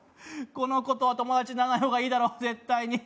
「この子とは友達にならない方がいいだろう絶対に」